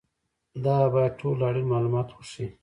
دا باید ټول اړین معلومات وښيي.